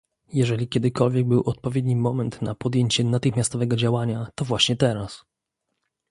Jeżeli kiedykolwiek był odpowiedni moment na podjęcie natychmiastowego działania to właśnie teraz